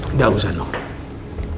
nggak usah nunggu